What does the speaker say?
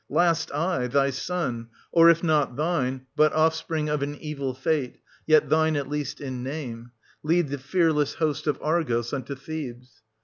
Last, I, thy son, — or if not thine, but offspring of an evil fate, yet thine at least in name, — lead the fearless host of Argos unto Thebes.